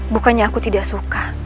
bukannya aku tidak suka